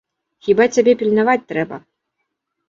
Хіба цябе пільнаваць трэба.